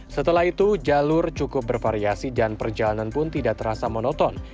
setelah itu jalur cukup bervariasi dan perjalanan pun tidak terasa monoton